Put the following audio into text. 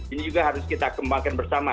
ini juga harus kita kembangkan bersama